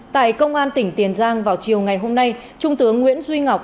tại công an tỉnh tiền giang vào chiều ngày hôm nay trung tướng nguyễn duy ngọc